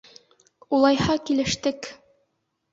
— Улайһа, килештек.